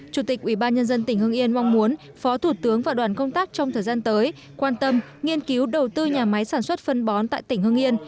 chủ tịch ủy ban nhân dân tỉnh hưng yên mong muốn phó thủ tướng và đoàn công tác trong thời gian tới quan tâm nghiên cứu đầu tư nhà máy sản xuất phân bón tại tỉnh hưng yên